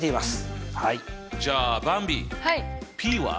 じゃあばんびｐは？